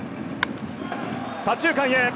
左中間へ。